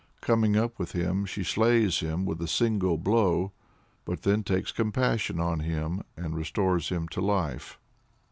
Coming up with him, she slays him with a single blow, but then takes compassion on him, and restores him to life.